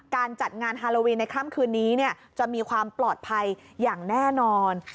การจัดงานฮาโลวีนในค่ำคืนนี้จะมีความปลอดภัยอย่างแน่นอน